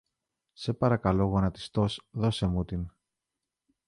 σε παρακαλώ γονατιστός, δώσε μου την